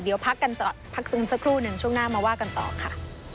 เดี๋ยวพักกันต่อพักซึมสักครู่หนึ่งช่วงหน้ามาว่ากันต่อค่ะ